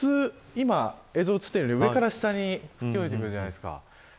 今、映像映っているように上から下に降りてくるじゃないですか。